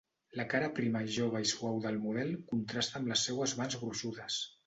La cara prima, jove i suau del model contrasta amb les seues mans gruixudes.